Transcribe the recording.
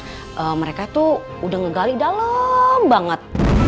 tapi makamnya mereka tuh udah ngegali dalem banget